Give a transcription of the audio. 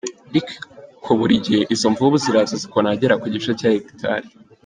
Ariko buri gihe, izo mvubu ziraza zikona ahagera ku gice cya Hegitari.